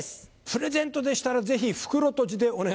プレゼントでしたらぜひ袋とじでお願いします。